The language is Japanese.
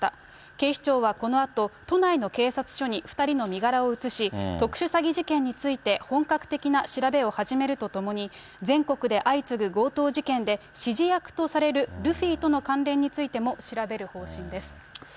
警視庁はこのあと、都内の警察署に２人の身柄を移し、特殊詐欺事件について、本格的な調べを始めるとともに、全国で相次ぐ強盗事件で、指示役とされるルフィとの関連についても調べる方針です。